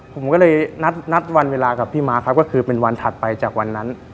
ผมก็เลยนัดวันเวลากับพี่ม้าครับก็คือเป็นวันถัดไปจากวันนั้น